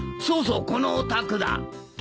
そうそうこのお宅だ！